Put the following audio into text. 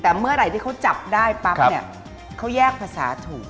แต่เมื่อไหร่ที่เขาจับได้ปั๊บเนี่ยเขาแยกภาษาถูก